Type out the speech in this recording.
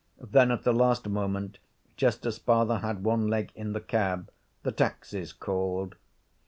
Then at the last moment, just as father had one leg in the cab, the Taxes called.